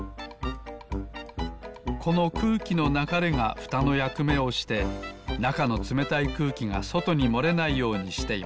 このくうきのながれがふたのやくめをしてなかのつめたいくうきがそとにもれないようにしています。